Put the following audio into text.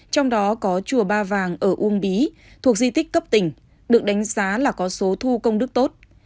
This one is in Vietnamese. trong đó có chùa ba vàng ở uông bí thuộc di tích cấp tỉnh được đánh giá là có số thu công đức tốt